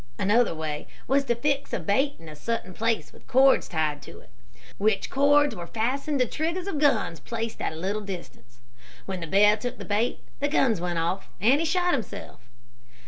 Another way was to fix a bait in a certain place, with cords tied to it, which cords were fastened to triggers of guns placed at a little distance. When the bear took the bait, the guns went off, and he shot himself.